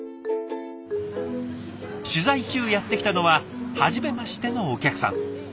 取材中やって来たのははじめましてのお客さん。